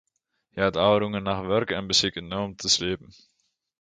Hy hat de ôfrûne nacht wurke en besiket no om te sliepen.